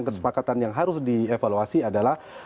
kesepakatan yang harus dievaluasi adalah